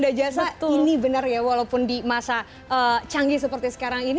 ada jasa ini benar ya walaupun di masa canggih seperti sekarang ini